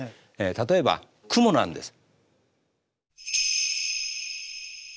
例えば雲なんです。